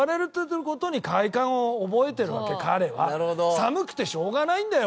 寒くてしょうがないんだよ